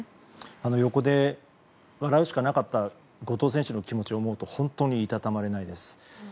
横で笑うしかなった後藤選手の気持ちを思うと本当にいたたまれないです。